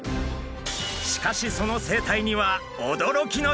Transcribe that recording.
しかしその生態には驚きの秘密も！